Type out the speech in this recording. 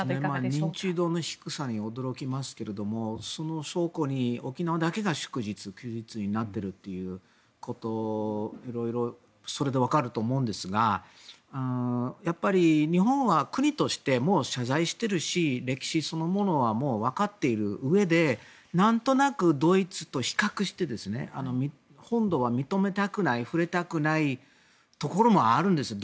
認知度の低さに驚きますけどその証拠に沖縄だけが祝日休日になっているということがいろいろそれで分かると思うんですが日本は国としてもう謝罪しているし歴史そのものはもう分かっているうえで何となく、ドイツと比較して本土は認めなくない触れたくないところもあるんですよ。